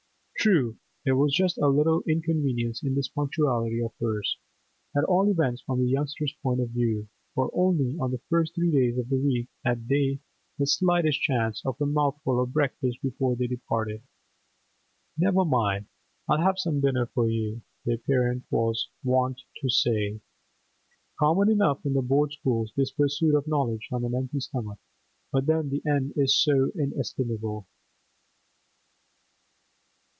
True, there was just a little inconvenience in this punctuality of hers, at all events from the youngsters' point of view, for only on the first three days of the week had they the slightest chance of a mouthful of breakfast before they departed. 'Never mind, I'll have some dinner for you,' their parent was wont to say. Common enough in the Board schools, this pursuit of knowledge on an empty stomach. But then the end is so inestimable!